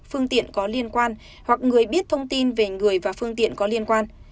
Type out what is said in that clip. phương tiện có liên quan hoặc người biết thông tin về người và phương tiện có liên quan